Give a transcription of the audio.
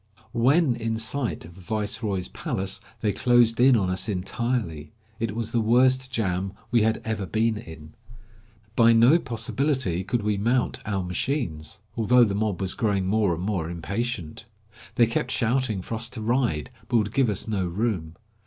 When in sight of the viceroy's palace, they closed in on us entirely. It was the worst jam we had ever been 151 MONUMENT TO A PRIEST AT URUMTSI. in. By no possibility could we mount our machines, although the mob was growing more and more impatient. They kept shouting for us to ride, but would give us no room.